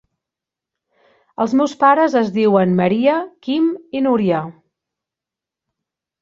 Els meus pares es diuen Maria, Quim i Núria.